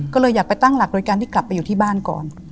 ก็เลยอยากไปตั้งหลักโดยการที่กลับไปอยู่ที่บ้านก่อน